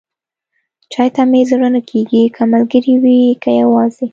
چای ته مې زړه ښه کېږي، که ملګری وي، که یواځې.